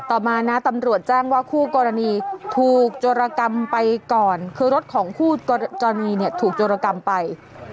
ต่อมานะตำรวจแจ้งว่าคู่กรณีถูกโจรกรรมไปก่อนคือรถของคู่กรณีเนี่ยถูกโจรกรรมไป